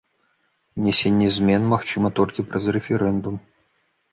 Унясенне змен магчыма толькі праз рэферэндум.